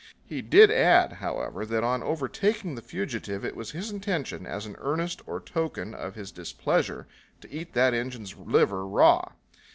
He did add, however, that on overtaking the fugitive it was his intention, as an earnest or token of his displeasure, to eat that Injun's liver raw.